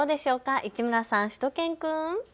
市村さん、しゅと犬くん。